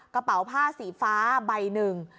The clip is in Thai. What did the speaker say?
กระเป๋าผ้าสีฟ้าใบหนึ่ง